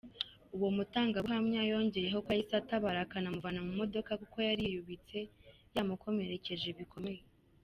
Uwo mutangabuhamya yongeyeho ko yahise atabara akamuvana mu modoka, kuko yari yiyubitse, yamukomerekeje bikomeye.